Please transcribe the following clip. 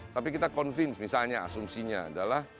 tapi kita convince misalnya asumsinya adalah